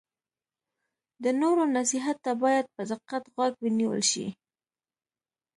د نورو نصیحت ته باید په دقت غوږ ونیول شي.